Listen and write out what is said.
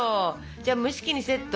じゃあ蒸し器にセット。